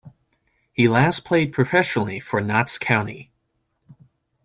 He last played professionally for Notts County.